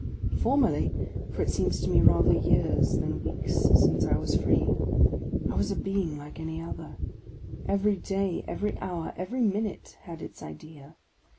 Formerly (for it seems to me rather years than weeks since I was free) I was a being like any other; every day, every hour, every minute had its idea.